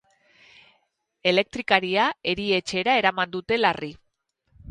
Elektrikaria erietxera eraman dute, larri.